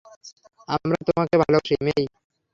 আমরা তোমাকে ভালোবাসি, মেই।